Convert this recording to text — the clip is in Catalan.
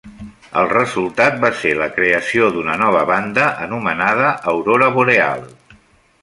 El resultat va ser la creació d’una nova banda anomenada aurora boreal.